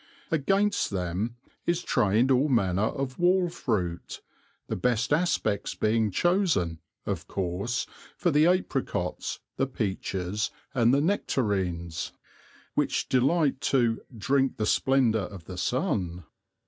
Against them is trained all manner of wall fruit, the best aspects being chosen, of course, for the apricots, the peaches and the nectarines, which delight to "drink the splendour of the sun."